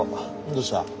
どうした？